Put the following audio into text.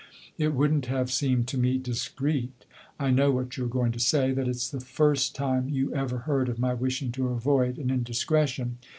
It would n't have seemed to me discreet, I know what you are going to say that it 's the first time you ever heard of my wishing to avoid an indiscretion.